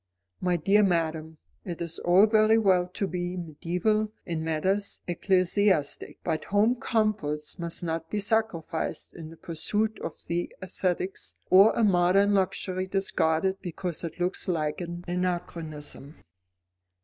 "My dear madam, it is all very well to be mediaeval in matters ecclesiastic, but home comforts must not be sacrificed in the pursuit of the aesthetic, or a modern luxury discarded because it looks like an anachronism."